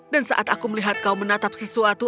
dan saat aku melihat kau menatap sesuatu